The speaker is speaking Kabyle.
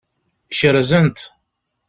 Kerzen-t.